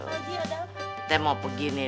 kita mau pergi nih